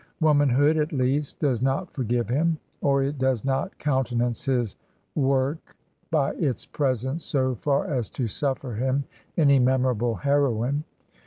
Womanhood, at least, does not forgive him; or it does not countenance his work by its presence so far as to suffer him any memorable heroine.